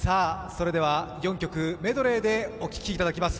それでは４曲メドレーでお聴きいただきます。